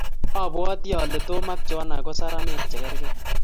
Apwati ale tom ak johana ko saramek che karkei